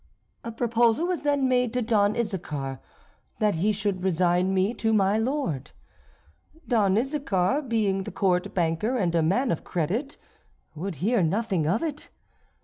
A proposal was then made to Don Issachar that he should resign me to my lord. Don Issachar, being the court banker, and a man of credit, would hear nothing of it.